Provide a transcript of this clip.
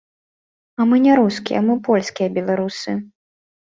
А мы не рускія, мы польскія беларусы.